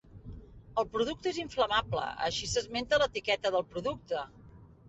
El producte és inflamable, així s'esmenta a l'etiqueta del producte.